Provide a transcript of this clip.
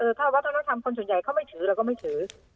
ถ้าวัฒนธรรมคนส่วนใหญ่เขาไม่ถือเราก็ไม่ถือ